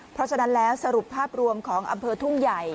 เพราะฉะนั้นแล้วสรุปภาพรวมของอำเภอทุ่งใหญ่